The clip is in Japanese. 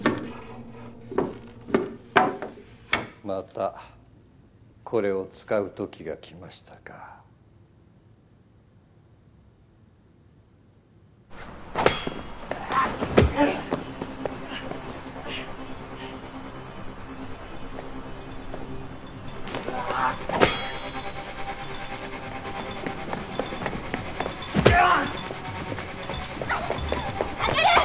またこれを使う時が来ましたかグアッ！